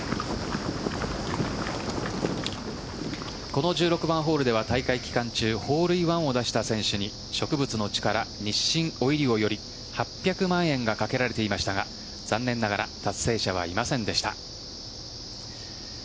この１６番ホールでは大会期間中ホールインワンを出した選手に植物のチカラ、日清オイリオより８００万円がかけられていましたが残念ながら達成者はいませんでした。